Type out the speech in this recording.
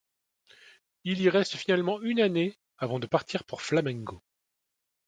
Il y reste finalement une année, avant de partir pour Flamengo.